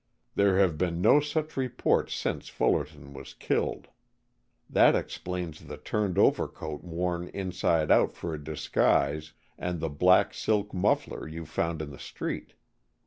There have been no such reports since Fullerton was killed. That explains the turned overcoat worn inside out for a disguise, and the black silk muffler you found in the street.